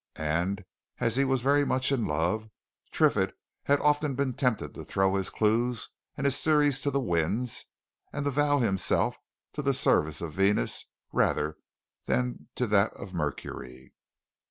And as he was very much in love, Triffitt had often been tempted to throw his clues and his theories to the winds, and to vow himself to the service of Venus rather than to that of Mercury.